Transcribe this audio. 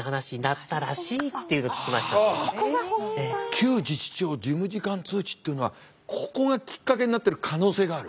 旧自治省事務次官通知っていうのはここがきっかけになってる可能性がある？